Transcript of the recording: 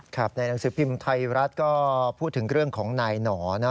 ในหนังสือพิมพ์ไทยรัฐก็พูดถึงเรื่องของนายหนอนะ